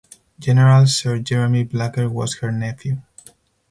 General Sir Jeremy Blacker was her nephew.